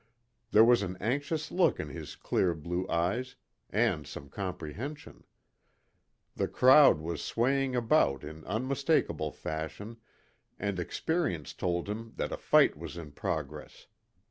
There was an anxious look in his clear blue eyes, and some comprehension. The crowd was swaying about in unmistakable fashion, and experience told him that a fight was in progress.